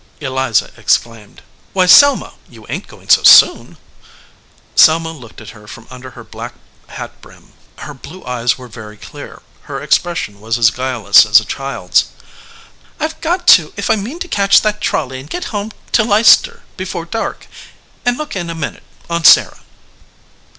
Eliza exclaimed, "Why, Selma, you ain t going so soon ?" Selma looked at her from under her black hat brim. Her blue eyes were very clear; her expres 157 EDGEWATER PEOPLE si on was as guileless as a child s. "I ve got to if I mean to catch that trolley and get home to Leicester before dark, and look in a minute on Sarah."